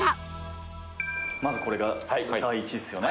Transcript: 「まずこれが第一ですよね」